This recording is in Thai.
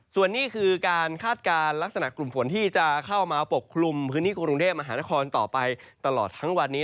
ส่วนนี้คือการคาดการณ์ลักษณะกลุ่มฝนที่จะเข้ามาปกคลุมพื้นที่กรุงเทพมหานครต่อไปตลอดทั้งวันนี้